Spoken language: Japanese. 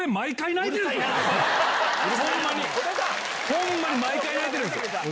ホンマに毎回泣いてるんすよ。